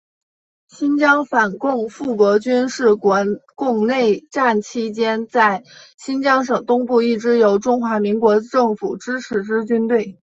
新疆反共复国军是国共内战期间在新疆省东部一支由中华民国政府支持之军队。